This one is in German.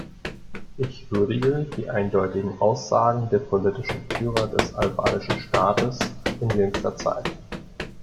Ich würdige die eindeutigen Aussagen der politischen Führer des albanischen Staates in jüngster Zeit.